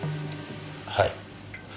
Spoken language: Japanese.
はい。